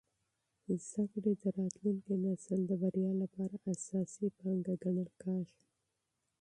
تعلیم د راتلونکي نسل د بریا لپاره اساسي پانګه ګڼل کېږي.